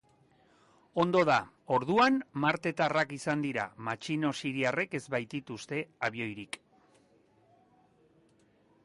Ondo da, orduan martetarrak izan dira, matxino siriarrek ez baitituzte abioirik.